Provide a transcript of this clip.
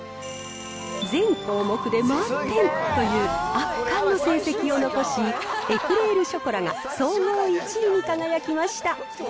全項目で満点という圧巻の成績を残し、エクレール・ショコラが総合１位に輝きました。